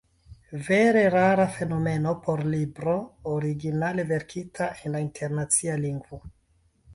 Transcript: Vere rara fenomeno por libro, originale verkita en la internacia lingvo!